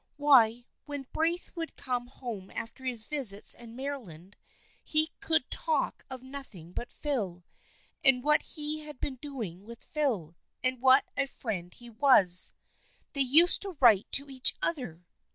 Why, when Braith would come home after his visits in Maryland he could talk of nothing but Phil, and what he had been doing with Phil, and what a friend he was. They used to write to each other.'